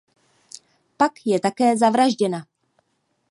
Pak je také zavražděna.